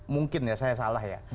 mungkin ya saya salah ya